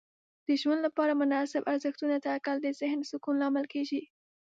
د ژوند لپاره مناسب ارزښتونه ټاکل د ذهن سکون لامل کیږي.